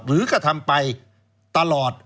หรือกระทำไปตลอด